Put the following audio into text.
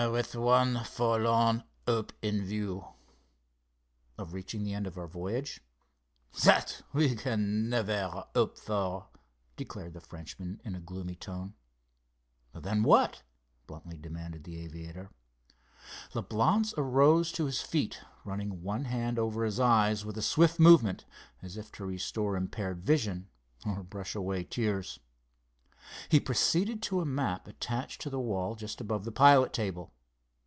"With one forlorn hope in view." "Of reaching the end of our voyage?" "That we can never hope for," declared the Frenchman, in a gloomy tone. "Then—what?" bluntly demanded the aviator. Leblance arose to his feet, running one hand over his eyes with a swift movement as if to restore impaired vision or brush away tears. He proceeded to a map attached to the wall just above the pilot table.